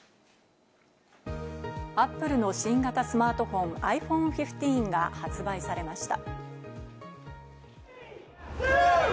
Ａｐｐｌｅの新型スマートフォン・ｉＰｈｏｎｅ１５が発売されました。